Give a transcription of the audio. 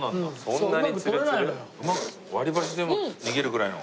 割り箸でも逃げるぐらいの。